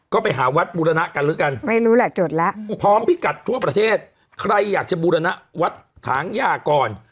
ก็ไปหาวัดบูรณะกันละกันพร้อมพิกัดทั่วประเทศใครอยากจะบูรณะวัดทางย่าก่อน